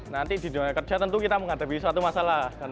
nanti di dunia kerja tentu kita menghadapi suatu masalah